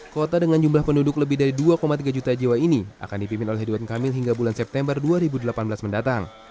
kota dengan jumlah penduduk lebih dari dua tiga juta jiwa ini akan dipimpin oleh ridwan kamil hingga bulan september dua ribu delapan belas mendatang